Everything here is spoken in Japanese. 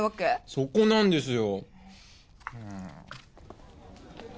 そこなんですよ。